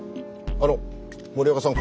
あの森若さん